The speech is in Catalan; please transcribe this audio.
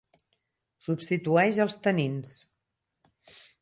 Substitueix els tanins.